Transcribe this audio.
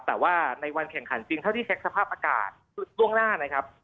แต่ว่าในวันแข่งขันจริงเท่าที่เช็คสภาพอากาศล่วงหน้านะครับ